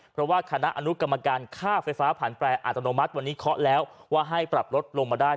เพราะว่าคณะอนุกรรมการค่าไฟฟ้าผ่านแปรอัตโนมัติวันนี้เคาะแล้วว่าให้ปรับลดลงมาได้